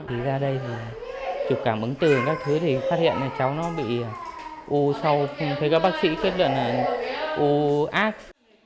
thì ra đây chụp cảm ứng từ các thứ thì phát hiện cháu nó bị u sâu không thấy có bác sĩ phát hiện là u ác